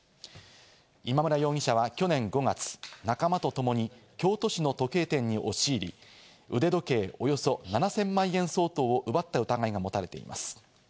今村容疑者は去年５月、仲間と共に京都市の時計店に押し入り、腕時計およそ７０００万円相当を奪った疑いが持たれています。